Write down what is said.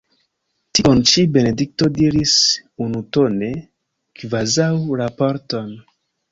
Tion ĉi Benedikto diris unutone, kvazaŭ raporton.